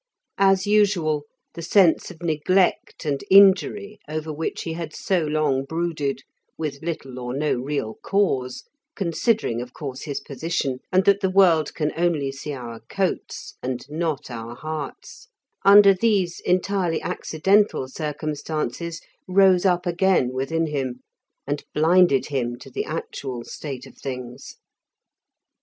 As usual, the sense of neglect and injury over which he had so long brooded with little or no real cause (considering, of course, his position, and that the world can only see our coats and not our hearts), under these entirely accidental circumstances rose up again within him, and blinded him to the actual state of things.